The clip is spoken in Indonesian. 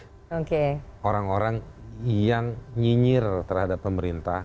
jadi saya ingin mengatakan bahwa orang orang yang nyinyir terhadap pemerintah